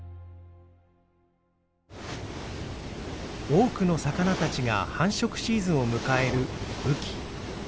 多くの魚たちが繁殖シーズンを迎える雨季。